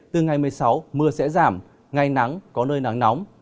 từ ngày một mươi sáu mưa sẽ giảm ngày nắng có nơi nắng nóng